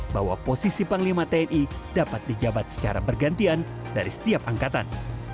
bahwa posisi panglima tni dapat dijabat secara bergantian dari setiap angkatan